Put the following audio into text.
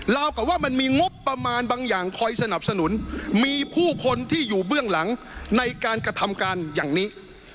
กับว่ามันมีงบประมาณบางอย่างคอยสนับสนุนมีผู้คนที่อยู่เบื้องหลังในการกระทำการอย่างนี้